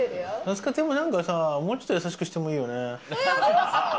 もうちょっと優しくしてもいいよね。